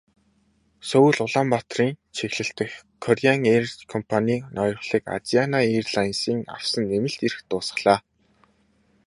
Сөүл-Улаанбаатарын чиглэл дэх Кореан эйр компанийн ноёрхлыг Азиана эйрлайнсын авсан нэмэлт эрх дуусгалаа.